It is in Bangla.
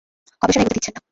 গবেষণা এগুতে দিচ্ছেন না।